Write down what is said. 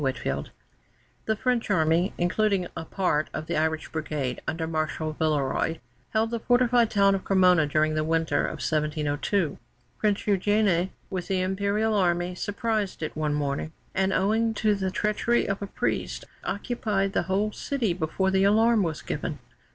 CREMONA [The French Army, including a part of the Irish Brigade, under Marshal Villeroy, held the fortified town of Cremona during the winter of 1702. Prince Eugène, with the Imperial Army, surprised it one morning, and, owing to the treachery of a priest, occupied the whole city before the alarm was given.